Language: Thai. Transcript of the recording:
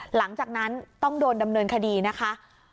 หลังจากนั้นต้องโดนดำเนินคดีนะคะ